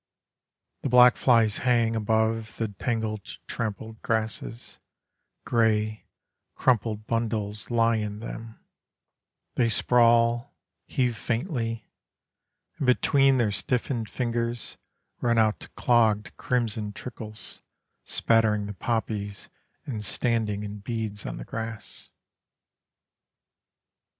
The black flies hang Above the tangled trampled grasses, Grey, crumpled bundles lie in them: They sprawl, Heave faintly; And between their stiffened fingers, Run out clogged crimson trickles, Spattering the poppies and standing in beads on the grass.